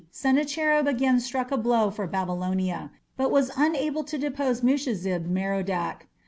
Sennacherib again struck a blow for Babylonia, but was unable to depose Mushezib Merodach.